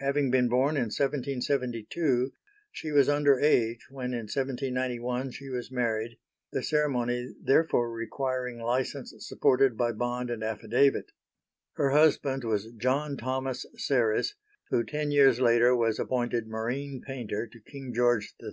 Having been born in 1772 she was under age when in 1791 she was married, the ceremony therefore requiring licence supported by bond and affidavit. Her husband was John Thomas Serres who ten years later was appointed marine painter to King George III.